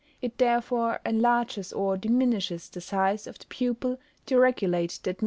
It therefore enlarges or diminishes the size of the pupil to regulate the admission of light.